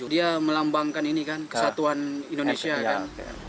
dia melambangkan ini kan kesatuan indonesia kan